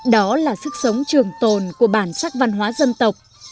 đó là sức sống trường tồn của bản sắc văn hóa dân tộc